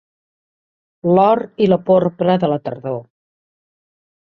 L'or i la porpra de la tardor.